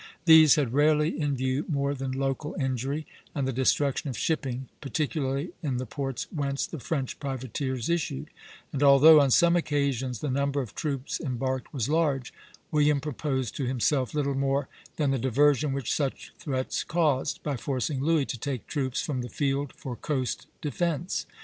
These had rarely in view more than local injury and the destruction of shipping, particularly in the ports whence the French privateers issued; and although on some occasions the number of troops embarked was large, William proposed to himself little more than the diversion which such threats caused, by forcing Louis to take troops from the field for coast defence.